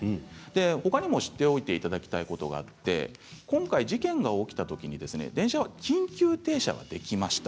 ほかにも知っておいていただきたいことがあって今回、事件が起きたときに電車は緊急停車はできました。